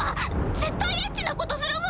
絶対エッチなことするもん！